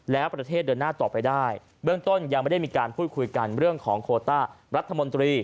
แล้วประเทศเดินหน้าต่อไปได้เบื้องต้นยังไม่ได้มีการพูดคุยกันเรื่องของโคต้ารัฐมนตรี